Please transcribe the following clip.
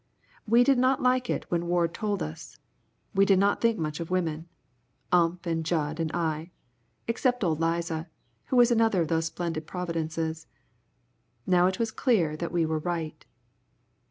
We did not like it when Ward told us. We did not think much of women, Ump and Jud and I, except old Liza, who was another of those splendid Providences. Now it was clear that we were right.